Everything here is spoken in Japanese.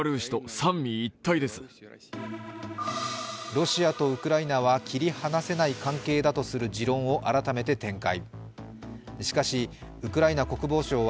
ロシアとウクライナは切り離せない関係だとする持論を改めて展開。